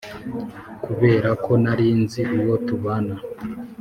kubera ko nari nzi uwo tubana,